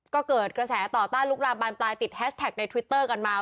ก็เกิดกระแสต่อต้านลุกลามบานปลายติดแฮชแท็กในทวิตเตอร์กันมา